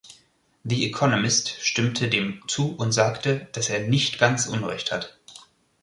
„The Economist“ stimmte dem zu und sagte, dass er „nicht ganz Unrecht hat“.